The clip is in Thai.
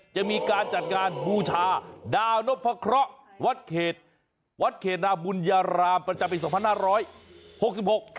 เขามีการจัดงานบูชาดาวนพระเคราะห์วัดเขตนาบุญญารามประจำปี๒๕๖๖